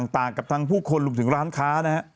ต่างกับทั้งผู้คนรวมถึงร้านค้านะฮะ